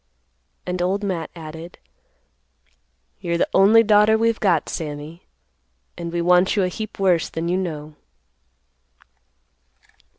And Old Matt added, "You're the only daughter we've got, Sammy; and we want you a heap worse than you know."